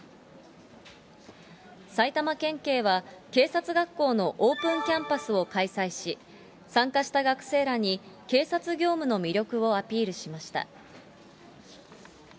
埼玉県警は、警察学校のオープンキャンパスを開催し、参加した学生らに、警察業務の魅力をアピールしました。